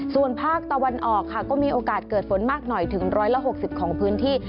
ส่วนภาคตะวันออกค่ะก็มีโอกาสเกิดฝนมากหน่อยถึง๑๖๐ของพื้นที่